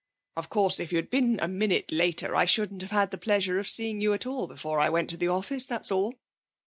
'Of course, if you'd been a minute later I shouldn't have had the pleasure of seeing you at all before I went to the office that's all.